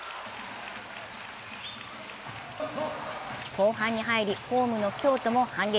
後半に入り、ホームの京都も反撃。